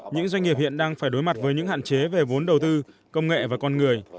những doanh nghiệp hiện đang phải đối mặt với những hạn chế về vốn đầu tư công nghệ và con người